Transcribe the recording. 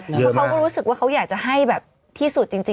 เขาก็รู้สึกว่าเขาอยากจะให้ที่สุดจริง